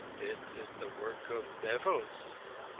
"This is the work of devils!"